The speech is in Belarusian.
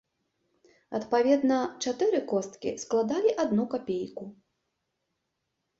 Адпаведна, чатыры косткі складалі адну капейку.